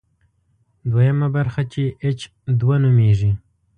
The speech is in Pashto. دویمه برخه چې اېچ دوه نومېږي.